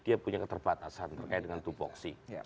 dia punya keterbatasan terkait dengan tupoksi